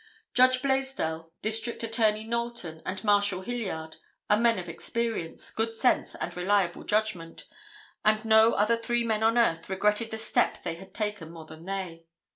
Judge Blaisdell, District Attorney Knowlton and Marshal Hilliard are men of experience, good sense and reliable judgment, and no other three men on earth regretted the step they had taken more than they.